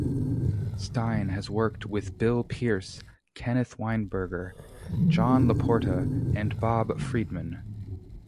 Stein has worked with Bill Pierce, Kenneth Weinberger, John LaPorta, and Bob Freedman.